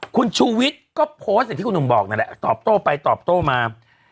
คุณชูวิทย์ก็โพสต์อย่างที่คุณหนุ่มบอกนั่นแหละตอบโต้ไปตอบโต้มา